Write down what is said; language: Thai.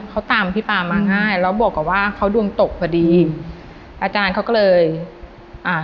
เขาตามพี่ปามาง่ายแล้วบอกกับว่าเขาดวงตกพอดีอาจารย์เขาก็เลยอ่า